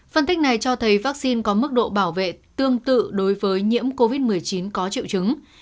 phân tích này cho thấy vaccine có mức độ bảo vệ tương tự đối với nhiễm covid một mươi chín có triệu chứng